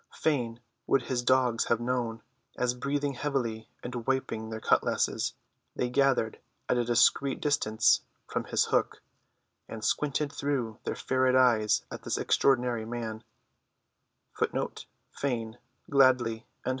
Fain would his dogs have known, as breathing heavily and wiping their cutlasses, they gathered at a discreet distance from his hook, and squinted through their ferret eyes at this extraordinary man.